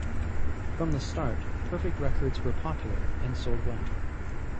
From the start, Perfect Records were popular and sold well.